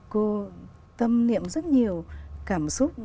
cô tâm niệm rất nhiều cảm xúc